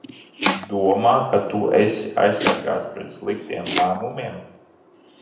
Domā, ka tu esi aizsargāts pret sliktiem lēmumiem?